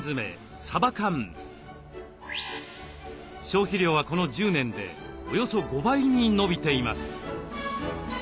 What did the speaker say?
消費量はこの１０年でおよそ５倍に伸びています。